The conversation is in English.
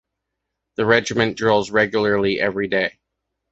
The regiment drills regularly every day.